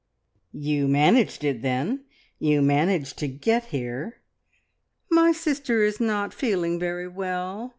"You managed it, then? You managed to get here?" "My sister is not feeling very well.